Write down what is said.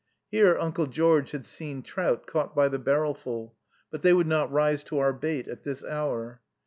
Here Uncle George had seen trout caught by the barrelful; but they would not rise to our bait at this hour.